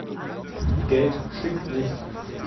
Geld stinkt nicht!